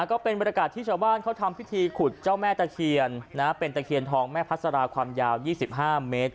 ก็เป็นบรรยากาศที่ชาวบ้านเขาทำพิธีขุดเจ้าแม่ตะเคียนเป็นตะเคียนทองแม่พัสราความยาว๒๕เมตร